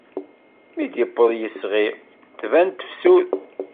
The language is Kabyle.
Mi d-iwweḍ yisɣi, tban tefsut.